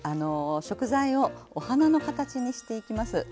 食材をお花の形にしていきます。